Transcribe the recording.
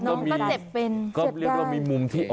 เรารู้ว่ามันเจ็บได้